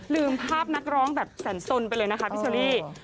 ลืมภาพนักร้องแบบแสนสนไปเลยนะคะพี่เชอรี่